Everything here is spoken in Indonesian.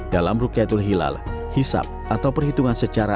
dalam rukyatul hilal hisap atau perhitungan secara